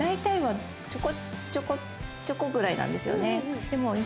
ちょこちょこちょこぐらいなんですよね。